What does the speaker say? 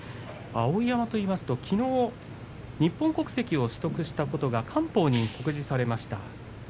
碧山といいますときのう日本国籍を取得したことが官報に告示されました。